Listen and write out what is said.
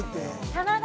棚田！